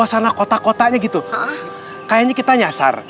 cakep tanca bana tuh